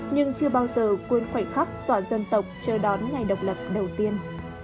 nhưng chưa bao giờ quên khoảnh khắc toàn dân tộc chờ đón ngày độc lập đầu tiên